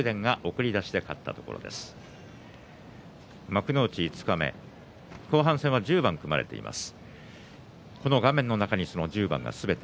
幕内五日目後半戦は１０番組まれています。